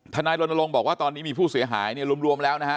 นายรณรงค์บอกว่าตอนนี้มีผู้เสียหายเนี่ยรวมแล้วนะฮะ